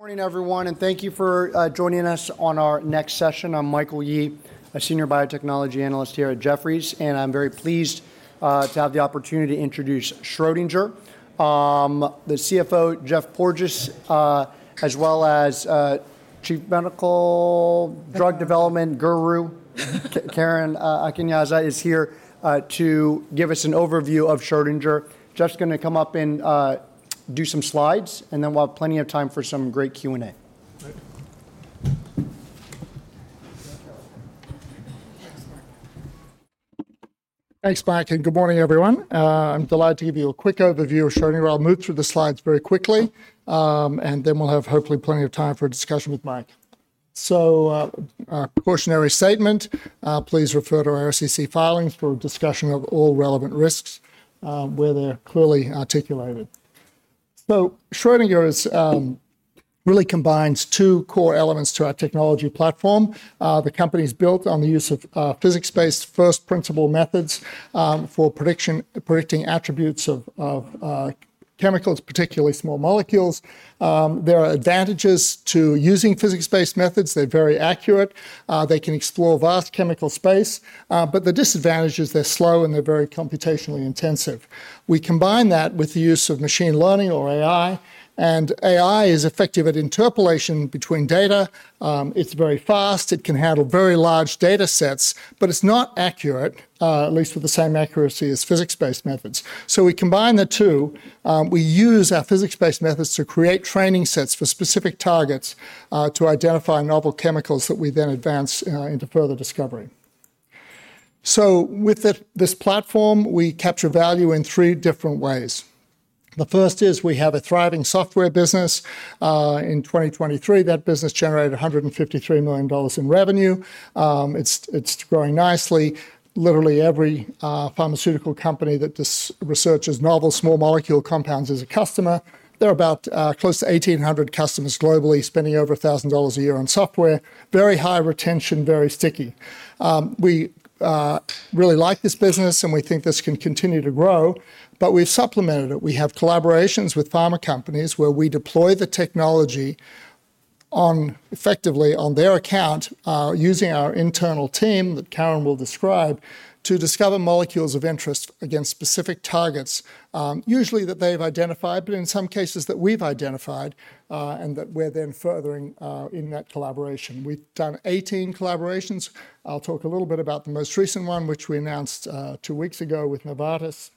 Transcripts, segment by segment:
Morning, everyone, and thank you for joining us on our next session. I'm Michael Yee, a senior biotechnology analyst here at Jefferies, and I'm very pleased to have the opportunity to introduce Schrödinger. The CFO, Geoff Porges, as well as Chief Medical Drug Development Guru, Karen Akinsanya, is here to give us an overview of Schrödinger. Jeff's going to come up and do some slides, and then we'll have plenty of time for some great Q&A. Thanks, Mike. Good morning, everyone. I'm delighted to give you a quick overview of Schrödinger. I'll move through the slides very quickly, and then we'll have hopefully plenty of time for a discussion with Mike. So, a cautionary statement: please refer to our SEC filings for a discussion of all relevant risks, where they're clearly articulated. So Schrödinger really combines two core elements to our technology platform. The company is built on the use of physics-based first-principle methods for predicting attributes of chemicals, particularly small molecules. There are advantages to using physics-based methods. They're very accurate. They can explore vast chemical space. But the disadvantage is they're slow and they're very computationally intensive. We combine that with the use of machine learning, or AI, and AI is effective at interpolation between data. It's very fast. It can handle very large data sets, but it's not accurate, at least with the same accuracy as physics-based methods. So we combine the two. We use our physics-based methods to create training sets for specific targets to identify novel chemicals that we then advance into further discovery. So with this platform, we capture value in three different ways. The first is we have a thriving software business. In 2023, that business generated $153 million in revenue. It's growing nicely. Literally, every pharmaceutical company that researches novel small molecule compounds is a customer. There are about close to 1,800 customers globally spending over $1,000 a year on software. Very high retention, very sticky. We really like this business, and we think this can continue to grow. But we've supplemented it. We have collaborations with pharma companies where we deploy the technology effectively on their account, using our internal team that Karen will describe, to discover molecules of interest against specific targets, usually that they've identified, but in some cases that we've identified, and that we're then furthering in that collaboration. We've done 18 collaborations. I'll talk a little bit about the most recent one, which we announced two weeks ago with Novartis.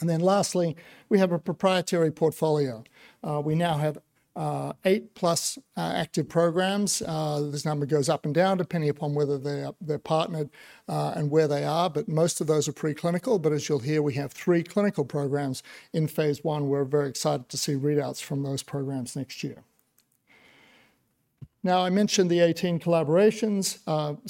And then lastly, we have a proprietary portfolio. We now have eight-plus active programs. This number goes up and down, depending upon whether they're partnered and where they are. But most of those are preclinical. But as you'll hear, we have three clinical programs in phase I. We're very excited to see readouts from those programs next year. Now, I mentioned the 18 collaborations.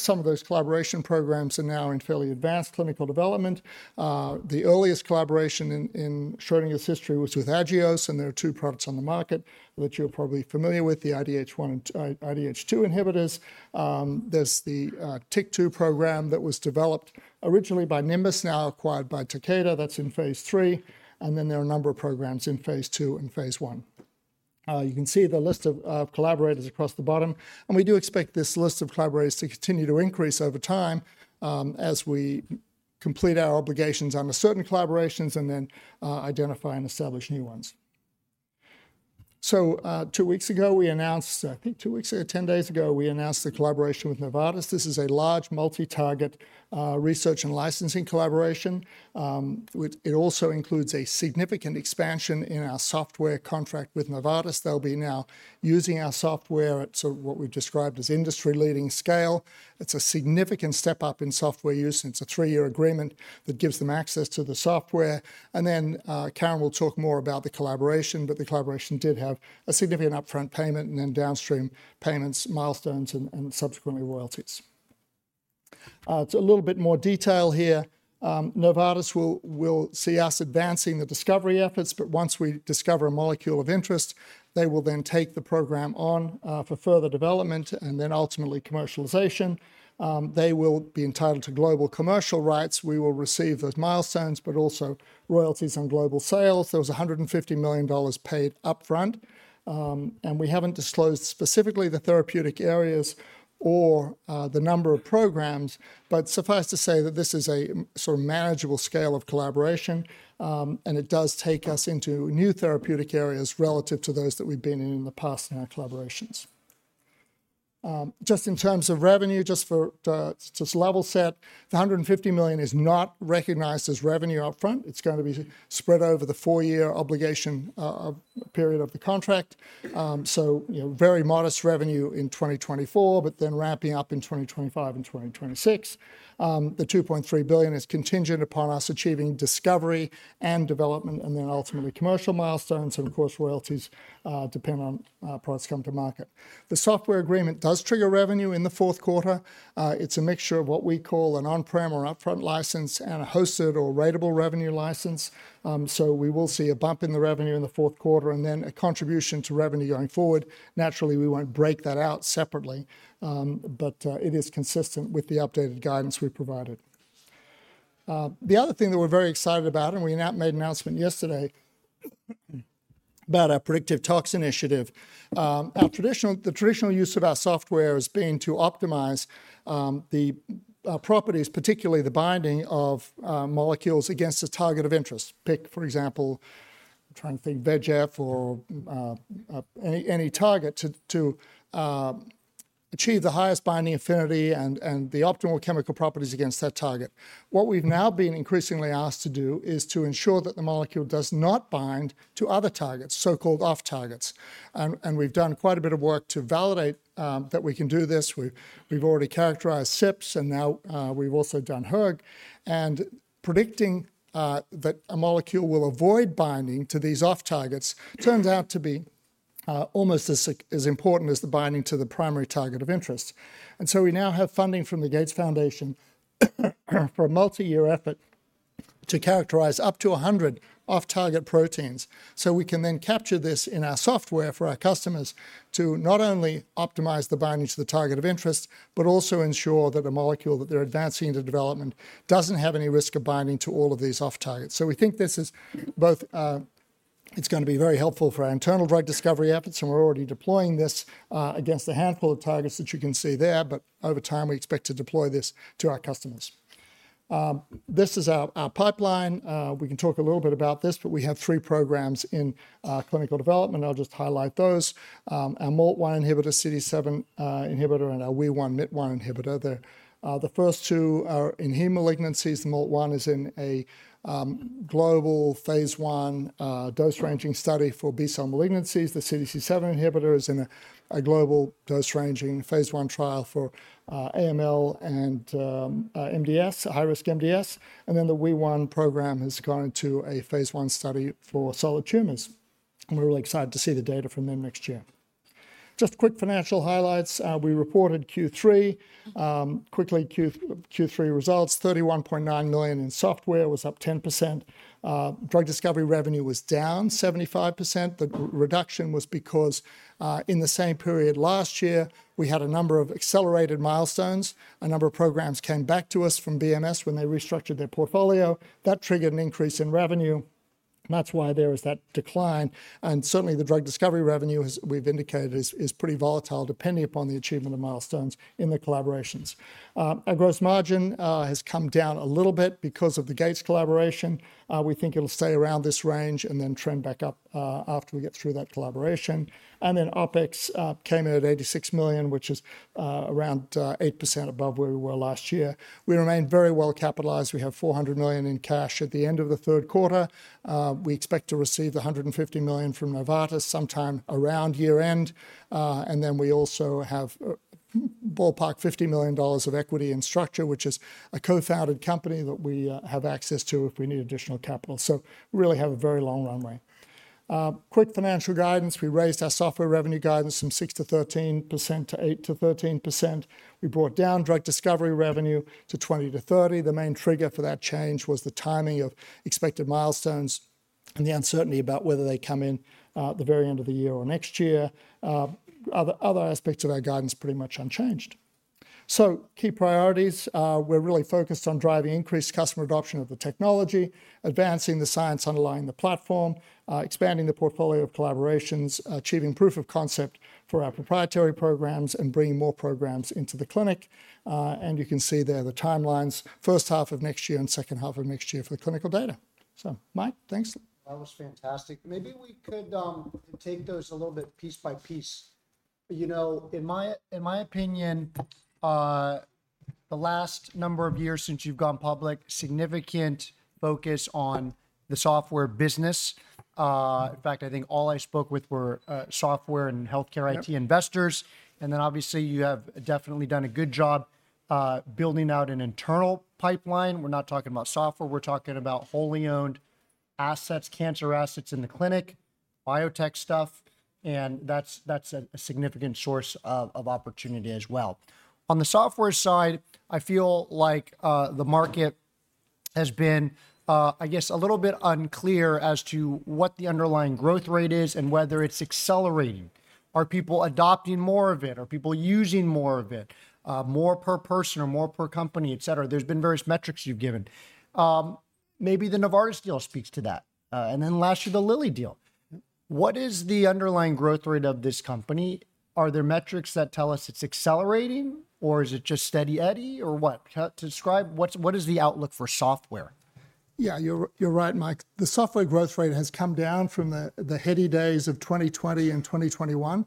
Some of those collaboration programs are now in fairly advanced clinical development. The earliest collaboration in Schrödinger's history was with Agios, and there are two products on the market that you're probably familiar with: the IDH1 and IDH2 inhibitors. There's the TYK2 program that was developed originally by Nimbus, now acquired by Takeda. That's in phase three. And then there are a number of programs in phase two and phase I. You can see the list of collaborators across the bottom. And we do expect this list of collaborators to continue to increase over time as we complete our obligations on certain collaborations and then identify and establish new ones. So two weeks ago, we announced, I think two weeks ago, ten days ago, we announced the collaboration with Novartis. This is a large multi-target research and licensing collaboration. It also includes a significant expansion in our software contract with Novartis. They'll be now using our software at what we've described as industry-leading scale. It's a significant step up in software use. It's a three-year agreement that gives them access to the software, and then Karen will talk more about the collaboration, but the collaboration did have a significant upfront payment and then downstream payments, milestones, and subsequently royalties, so a little bit more detail here. Novartis will see us advancing the discovery efforts, but once we discover a molecule of interest, they will then take the program on for further development and then ultimately commercialization. They will be entitled to global commercial rights. We will receive those milestones, but also royalties on global sales. There was $150 million paid upfront. And we haven't disclosed specifically the therapeutic areas or the number of programs, but suffice to say that this is a sort of manageable scale of collaboration, and it does take us into new therapeutic areas relative to those that we've been in in the past in our collaborations. Just in terms of revenue, just for level set, the $150 million is not recognized as revenue upfront. It's going to be spread over the four-year obligation period of the contract. So very modest revenue in 2024, but then ramping up in 2025 and 2026. The $2.3 billion is contingent upon us achieving discovery and development and then ultimately commercial milestones. And of course, royalties depend on products coming to market. The software agreement does trigger revenue in the fourth quarter. It's a mixture of what we call an on-prem or upfront license and a hosted or ratable revenue license. So we will see a bump in the revenue in the fourth quarter and then a contribution to revenue going forward. Naturally, we won't break that out separately, but it is consistent with the updated guidance we've provided. The other thing that we're very excited about, and we made an announcement yesterday about our predictive toxin initiative. The traditional use of our software has been to optimize the properties, particularly the binding of molecules against a target of interest. Pick, for example, I'm trying to think, VEGF or any target to achieve the highest binding affinity and the optimal chemical properties against that target. What we've now been increasingly asked to do is to ensure that the molecule does not bind to other targets, so-called off-targets. And we've done quite a bit of work to validate that we can do this. We've already characterized CYPs, and now we've also done hERG. And predicting that a molecule will avoid binding to these off-targets turns out to be almost as important as the binding to the primary target of interest. And so we now have funding from the Gates Foundation for a multi-year effort to characterize up to 100 off-target proteins. So we can then capture this in our software for our customers to not only optimize the binding to the target of interest, but also ensure that a molecule that they're advancing into development doesn't have any risk of binding to all of these off-targets. So we think this is both, it's going to be very helpful for our internal drug discovery efforts, and we're already deploying this against a handful of targets that you can see there. But over time, we expect to deploy this to our customers. This is our pipeline. We can talk a little bit about this, but we have three programs in clinical development. I'll just highlight those: our MALT1 inhibitor, CDC7 inhibitor, and our WEE1, MIT1 inhibitor. The first two are in heme malignancies. The MALT1 is in a global phase I dose-ranging study for B-cell malignancies. The CDC7 inhibitor is in a global dose-ranging phase I trial for AML and MDS, high-risk MDS. And then the WEE1 program has gone into a phase I study for solid tumors. We're really excited to see the data from them next year. Just quick financial highlights. We reported Q3, quickly Q3 results: $31.9 million in software was up 10%. Drug discovery revenue was down 75%. The reduction was because in the same period last year, we had a number of accelerated milestones. A number of programs came back to us from BMS when they restructured their portfolio. That triggered an increase in revenue. That's why there is that decline. And certainly, the drug discovery revenue, as we've indicated, is pretty volatile, depending upon the achievement of milestones in the collaborations. Our gross margin has come down a little bit because of the Gates collaboration. We think it'll stay around this range and then trend back up after we get through that collaboration. And then OpEx came in at $86 million, which is around 8% above where we were last year. We remain very well capitalized. We have $400 million in cash at the end of the third quarter. We expect to receive the $150 million from Novartis sometime around year-end. And then we also have ballpark $50 million of equity in Structure, which is a co-founded company that we have access to if we need additional capital. So we really have a very long runway. Quick financial guidance: we raised our software revenue guidance from 6% to 13% to 8%-13%. We brought down drug discovery revenue to 20%-30%. The main trigger for that change was the timing of expected milestones and the uncertainty about whether they come in the very end of the year or next year. Other aspects of our guidance are pretty much unchanged. So key priorities: we're really focused on driving increased customer adoption of the technology, advancing the science underlying the platform, expanding the portfolio of collaborations, achieving proof of concept for our proprietary programs, and bringing more programs into the clinic. And you can see there the timelines, first half of next year and second half of next year for the clinical data. So Mike, thanks. That was fantastic. Maybe we could take those a little bit piece by piece. You know, in my opinion, the last number of years since you've gone public, significant focus on the software business. In fact, I think all I spoke with were software and healthcare IT investors, and then obviously, you have definitely done a good job building out an internal pipeline. We're not talking about software. We're talking about wholly owned assets, cancer assets in the clinic, biotech stuff, and that's a significant source of opportunity as well. On the software side, I feel like the market has been, I guess, a little bit unclear as to what the underlying growth rate is and whether it's accelerating. Are people adopting more of it? Are people using more of it, more per person or more per company, et cetera? There's been various metrics you've given. Maybe the Novartis deal speaks to that, and then last year, the Lilly deal. What is the underlying growth rate of this company? Are there metrics that tell us it's accelerating, or is it just steady eddy, or what? To describe, what is the outlook for software? Yeah, you're right, Mike. The software growth rate has come down from the heady days of 2020 and 2021.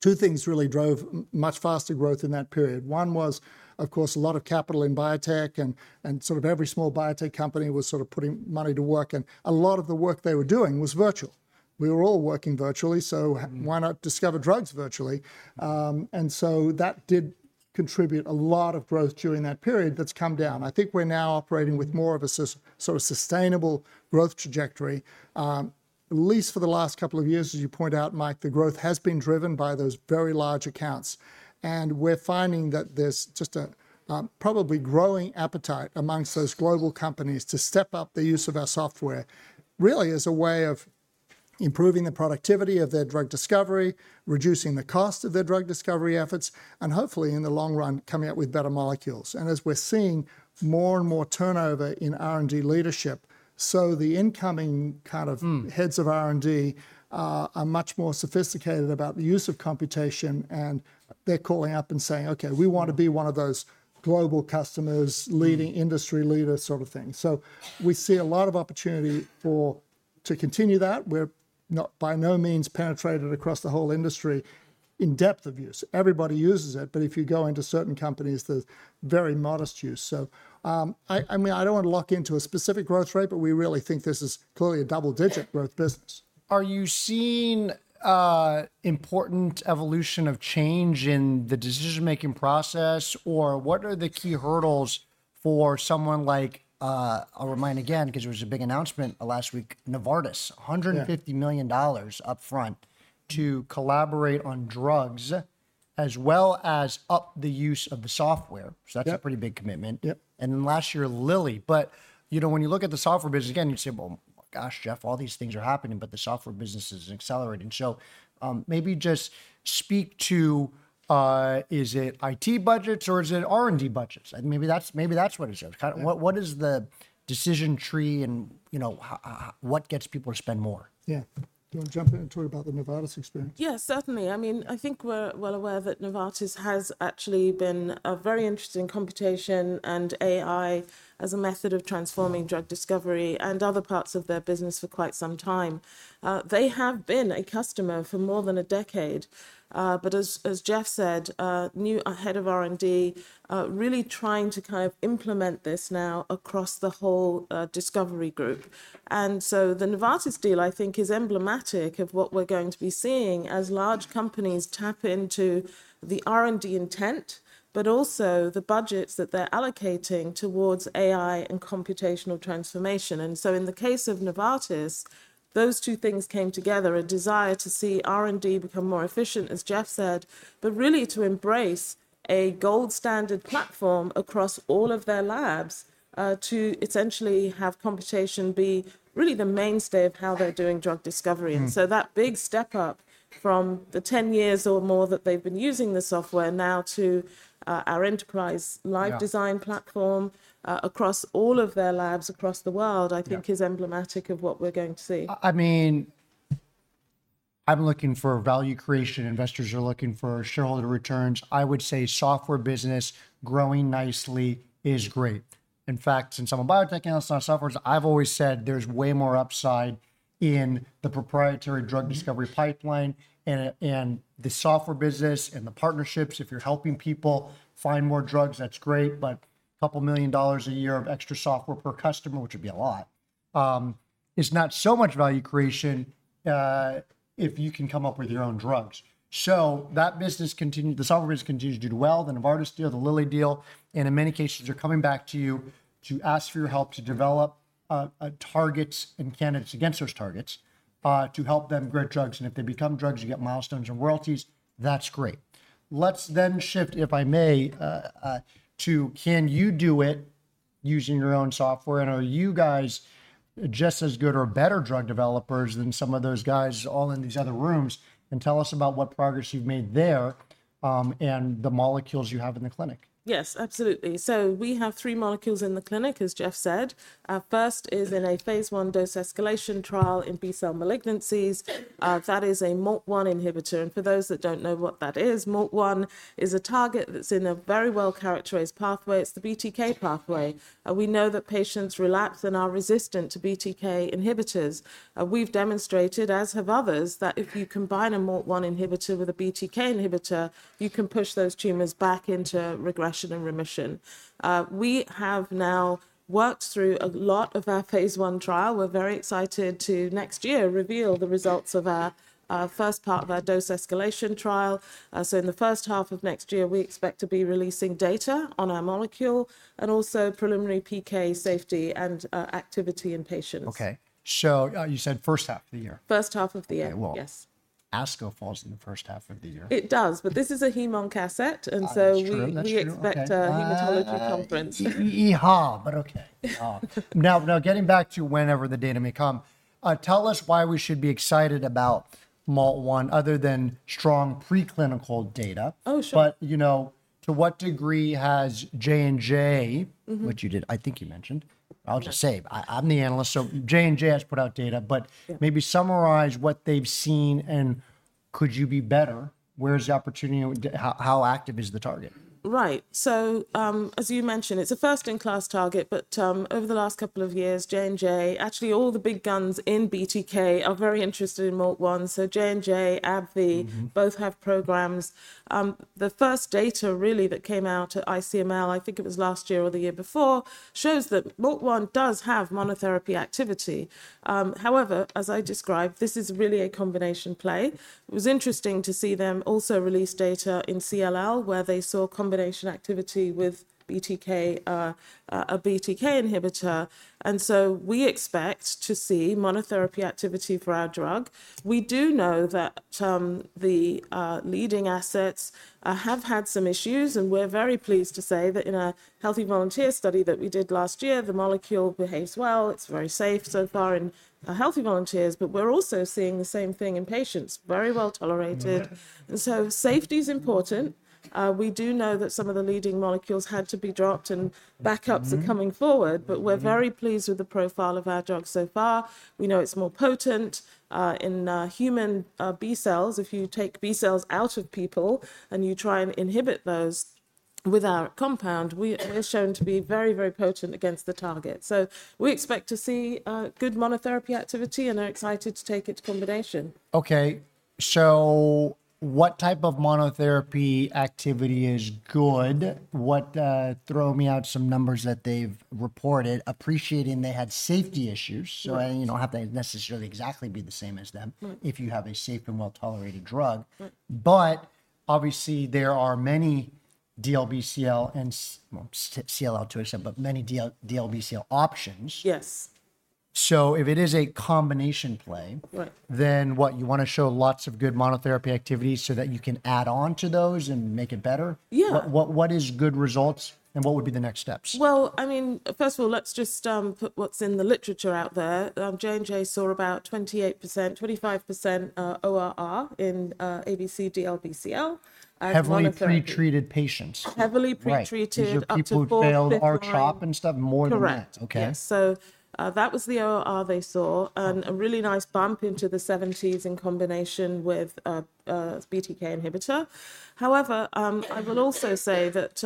Two things really drove much faster growth in that period. One was, of course, a lot of capital in biotech, and sort of every small biotech company was sort of putting money to work, and a lot of the work they were doing was virtual. We were all working virtually, so why not discover drugs virtually, and so that did contribute a lot of growth during that period that's come down. I think we're now operating with more of a sort of sustainable growth trajectory. At least for the last couple of years, as you point out, Mike, the growth has been driven by those very large accounts. And we're finding that there's just a probably growing appetite amongst those global companies to step up the use of our software, really as a way of improving the productivity of their drug discovery, reducing the cost of their drug discovery efforts, and hopefully in the long run, coming up with better molecules. And as we're seeing more and more turnover in R&D leadership, so the incoming kind of heads of R&D are much more sophisticated about the use of computation, and they're calling up and saying, "Okay, we want to be one of those global customers, leading industry leader sort of thing." So we see a lot of opportunity to continue that. We're not by no means penetrated across the whole industry in depth of use. Everybody uses it, but if you go into certain companies, there's very modest use. I mean, I don't want to lock into a specific growth rate, but we really think this is clearly a double-digit growth business. Are you seeing important evolution of change in the decision-making process, or what are the key hurdles for someone like (I'll remind again, because there was a big announcement last week) Novartis, $150 million upfront to collaborate on drugs, as well as up the use of the software. So that's a pretty big commitment. And then last year, Lilly. But you know, when you look at the software business, again, you say, "Well, gosh, Jeff, all these things are happening, but the software business is accelerating." So maybe just speak to, is it IT budgets or is it R&D budgets? Maybe that's what it is. What is the decision tree and what gets people to spend more? Yeah. Do you want to jump in and talk about the Novartis experience? Yeah, certainly. I mean, I think we're well aware that Novartis has actually been a very interesting computational and AI as a method of transforming drug discovery and other parts of their business for quite some time. They have been a customer for more than a decade, but as Jeff said, new head of R&D really trying to kind of implement this now across the whole discovery group, and so the Novartis deal, I think, is emblematic of what we're going to be seeing as large companies tap into the R&D intent, but also the budgets that they're allocating towards AI and computational transformation. And so in the case of Novartis, those two things came together, a desire to see R&D become more efficient, as Jeff said, but really to embrace a gold standard platform across all of their labs to essentially have computation be really the mainstay of how they're doing drug discovery. And so that big step up from the 10 years or more that they've been using the software now to our enterprise LiveDesign platform across all of their labs across the world, I think, is emblematic of what we're going to see. I mean, I'm looking for value creation. Investors are looking for shareholder returns. I would say software business growing nicely is great. In fact, since I'm a biotech analyst on software, I've always said there's way more upside in the proprietary drug discovery pipeline and the software business and the partnerships. If you're helping people find more drugs, that's great, but $2 million a year of extra software per customer, which would be a lot, is not so much value creation if you can come up with your own drugs, so that business continues, the software business continues to do well. The Novartis deal, the Lilly deal, and in many cases, they're coming back to you to ask for your help to develop targets and candidates against those targets to help them grow drugs, and if they become drugs, you get milestones and royalties. That's great. Let's then shift, if I may, to can you do it using your own software? And are you guys just as good or better drug developers than some of those guys all in these other rooms? And tell us about what progress you've made there and the molecules you have in the clinic. Yes, absolutely. So we have three molecules in the clinic, as Jeff said. First is in a phase I dose escalation trial in B-cell malignancies. That is a MALT1 inhibitor. And for those that don't know what that is, MALT1 is a target that's in a very well-characterized pathway. It's the BTK pathway. We know that patients relapse and are resistant to BTK inhibitors. We've demonstrated, as have others, that if you combine a MALT1 inhibitor with a BTK inhibitor, you can push those tumors back into regression and remission. We have now worked through a lot of our phase I trial. We're very excited to next year reveal the results of our first part of our dose escalation trial. So in the first half of next year, we expect to be releasing data on our molecule and also preliminary PK safety and activity in patients. Okay. So you said first half of the year. First half of the year. Yes. ASCO falls in the first half of the year. It does, but this is a heme-onc asset, and so we expect a hematology conference. But okay. Now, getting back to whenever the data may come, tell us why we should be excited about MALT1 other than strong preclinical data? Oh, sure. But to what degree has J&J, which you did, I think you mentioned, I'll just say, I'm the analyst, so J&J has put out data, but maybe summarize what they've seen and could you be better? Where's the opportunity? How active is the target? Right. So as you mentioned, it's a first-in-class target, but over the last couple of years, J&J, actually all the big guns in BTK are very interested in MALT1. So J&J, AbbVie, both have programs. The first data really that came out at ICML, I think it was last year or the year before, shows that MALT1 does have monotherapy activity. However, as I described, this is really a combination play. It was interesting to see them also release data in CLL, where they saw combination activity with a BTK inhibitor. And so we expect to see monotherapy activity for our drug. We do know that the leading assets have had some issues, and we're very pleased to say that in a healthy volunteer study that we did last year, the molecule behaves well. It's very safe so far in healthy volunteers, but we're also seeing the same thing in patients, very well tolerated, and so safety is important. We do know that some of the leading molecules had to be dropped and backups are coming forward, but we're very pleased with the profile of our drug so far. We know it's more potent in human B cells. If you take B cells out of people and you try and inhibit those with our compound, it has shown to be very, very potent against the target, so we expect to see good monotherapy activity and are excited to take it to combination. Okay. So what type of monotherapy activity is good? Throw me out some numbers that they've reported, appreciating they had safety issues. So it doesn't have to necessarily exactly be the same as them if you have a safe and well-tolerated drug. But obviously, there are many DLBCL and CLL, to a certain extent, but many DLBCL options. Yes. So if it is a combination play, then what? You want to show lots of good monotherapy activity so that you can add on to those and make it better? Yeah. What is good results and what would be the next steps? I mean, first of all, let's just put what's in the literature out there. J&J saw about 28%-25% ORR in ABC DLBCL. Heavily pretreated patients. Heavily pretreated. People failed R-CHOP and stuff more than that. Correct. So that was the ORR they saw, and a really nice bump into the 70s in combination with BTK inhibitor. However, I will also say that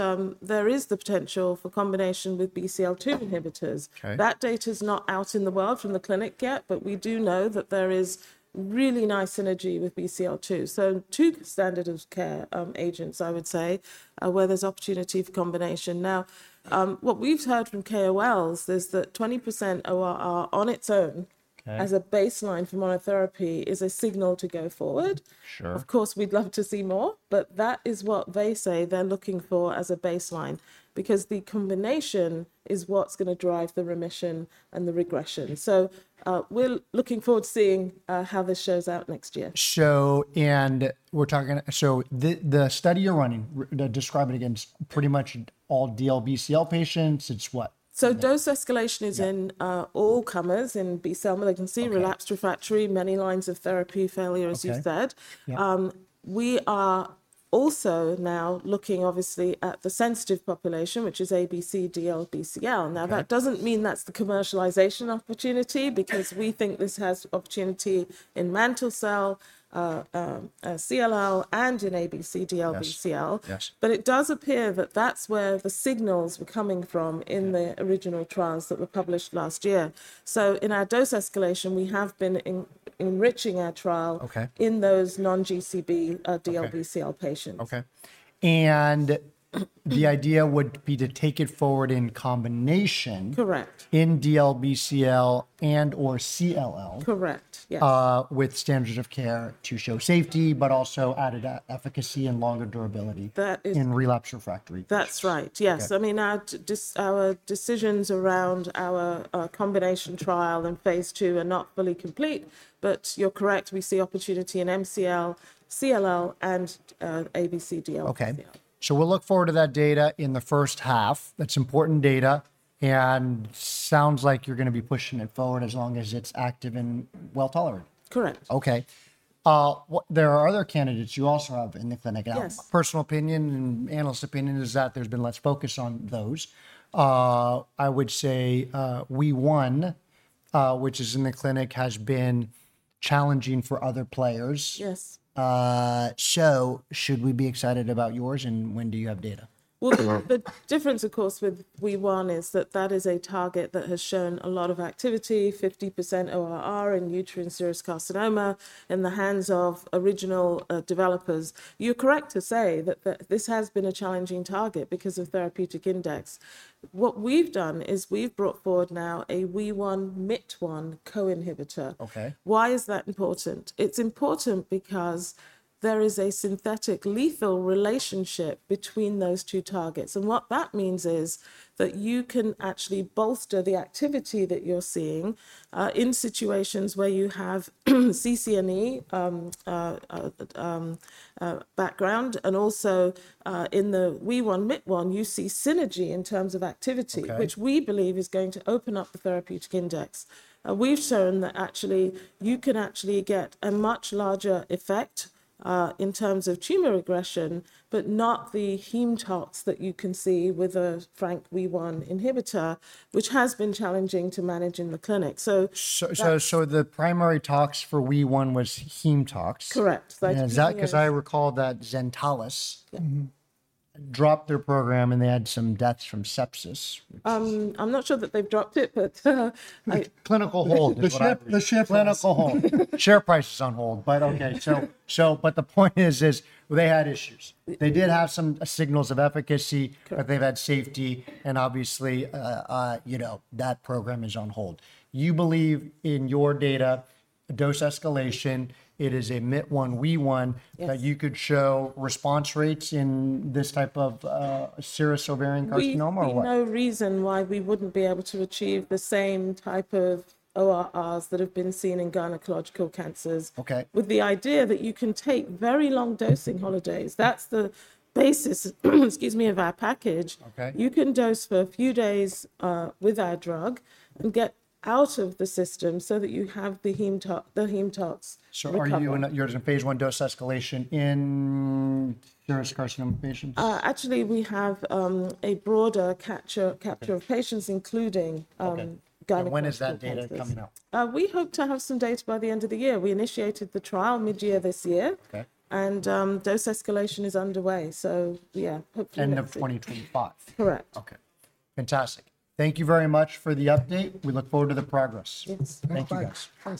there is the potential for combination with BCL2 inhibitors. That data is not out in the world from the clinic yet, but we do know that there is really nice synergy with BCL2. So two standard of care agents, I would say, where there's opportunity for combination. Now, what we've heard from KOLs is that 20% ORR on its own as a baseline for monotherapy is a signal to go forward. Of course, we'd love to see more, but that is what they say they're looking for as a baseline because the combination is what's going to drive the remission and the regression. So we're looking forward to seeing how this shows out next year. So we're talking about the study you're running. Describe it again. Pretty much all DLBCL patients. It's what? So dose escalation is in all comers in B-cell malignancy, relapse refractory, many lines of therapy failure, as you've said. We are also now looking, obviously, at the sensitive population, which is ABC DLBCL. Now, that doesn't mean that's the commercialization opportunity because we think this has opportunity in mantle cell, CLL, and in ABC DLBCL. But it does appear that that's where the signals were coming from in the original trials that were published last year. So in our dose escalation, we have been enriching our trial in those non-GCB DLBCL patients. Okay, and the idea would be to take it forward in combination in DLBCL and/or CLL. Correct. Yes. With standard of care to show safety, but also added efficacy and longer durability in relapse-refractory. That's right. Yes. I mean, our decisions around our combination trial and phase two are not fully complete, but you're correct. We see opportunity in MCL, CLL, and ABC DLBCL. Okay, so we'll look forward to that data in the first half. That's important data, and sounds like you're going to be pushing it forward as long as it's active and well tolerated. Correct. Okay. There are other candidates you also have in the clinic, and personal opinion and analyst opinion is that there's been less focus on those. I would say WEE1, which is in the clinic, has been challenging for other players. Yes. So should we be excited about yours and when do you have data? The difference, of course, with WEE1 is that that is a target that has shown a lot of activity, 50% ORR in uterine serous carcinoma in the hands of original developers. You're correct to say that this has been a challenging target because of therapeutic index. What we've done is we've brought forward now a WEE1 PKMYT1 co-inhibitor. Why is that important? It's important because there is a synthetic lethal relationship between those two targets. And what that means is that you can actually bolster the activity that you're seeing in situations where you have CCNE background. And also in the WEE1 PKMYT1, you see synergy in terms of activity, which we believe is going to open up the therapeutic index. We've shown that actually you can get a much larger effect in terms of tumor regression, but not the heme tox that you can see with a frank WEE1 inhibitor, which has been challenging to manage in the clinic. So the primary tox for WEE1 was heme tox? Correct. Is that because I recall that Zentalis dropped their program and they had some deaths from sepsis? I'm not sure that they've dropped it, but. Clinical hold. The share price is on hold, but okay. But the point is they had issues. They did have some signals of efficacy, but they've had safety. And obviously, that program is on hold. You believe in your data, dose escalation, it is a MIT-1 WEE1 that you could show response rates in this type of serous ovarian carcinoma or what? There's no reason why we wouldn't be able to achieve the same type of ORRs that have been seen in gynecological cancers with the idea that you can take very long dosing holidays. That's the basis, excuse me, of our package. You can dose for a few days with our drug and get out of the system so that you have the heme tox. You're doing phase I dose escalation in serous carcinoma patients? Actually, we have a broader capture of patients, including gynecologists. When is that data coming out? We hope to have some data by the end of the year. We initiated the trial mid-year this year, and dose escalation is underway. So yeah, hopefully. End of 2025. Correct. Okay. Fantastic. Thank you very much for the update. We look forward to the progress. Yes. Thank you, guys.